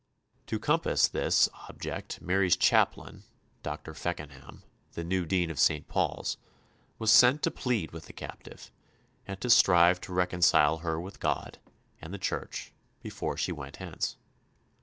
To compass this object Mary's chaplain, Dr. Feckenham, the new Dean of St. Paul's, was sent to plead with the captive, and to strive to reconcile her with God and the Church before she went hence.